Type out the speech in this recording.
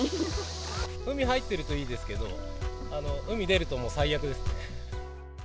海入ってるといいんですけど、海出ると、もう最悪ですね。